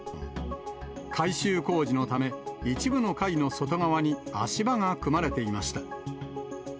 改修工事のため、一部の階の外側に足場が組まれていました。